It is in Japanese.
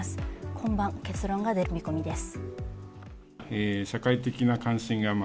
今晩、結論が出る見込みです。